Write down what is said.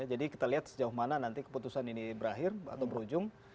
jadi kita lihat sejauh mana nanti keputusan ini berakhir atau berujung